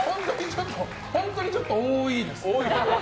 本当にちょっと多いです。